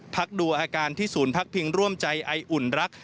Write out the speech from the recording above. ดูอาการที่ศูนย์พักพิงร่วมใจไออุ่นรัก